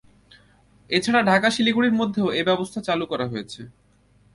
এছাড়া ঢাকা-শিলিগুড়ির মধ্যেও এ ব্যবস্থা চালু করা হয়েছে।